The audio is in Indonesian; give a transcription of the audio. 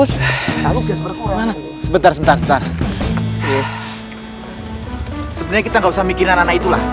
sebenernya kita gak usah mikirin anak anak itu lah